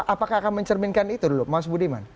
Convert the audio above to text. apakah akan mencerminkan itu dulu mas budiman